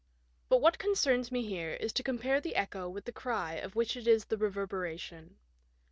" But what concerns me here is to compare the echo with the cry of which it is the reverberation.